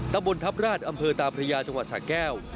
ตำบลทัพราชอำเภอตาพระยาจังหวัดสะแก้ว